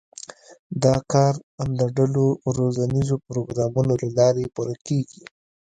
دا کار د ډلو روزنیزو پروګرامونو له لارې پوره کېږي.